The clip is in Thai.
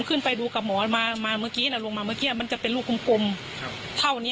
ขึ้นไปดูกับหมอมาเมื่อกี้ลงมาเมื่อกี้มันจะเป็นลูกกลมเท่านี้